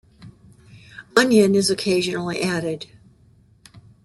Onion is occasionally added.